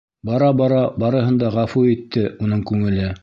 Бара-бара барыһын да ғәфү итте уның күңеле.